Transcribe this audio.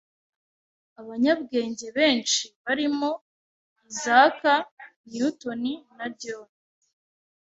Abanyabwenge benshi barimo Isaac Newton na John